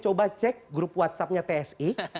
coba cek grup whatsappnya psi